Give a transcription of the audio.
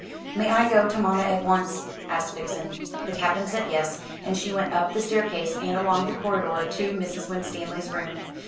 "May I go to mamma at once?" asked Vixen. The Captain said Yes, and she went up the staircase and along the corridor to Mrs. Winstanley's room.